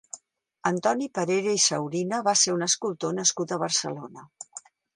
Antoni Parera i Saurina va ser un escultor nascut a Barcelona.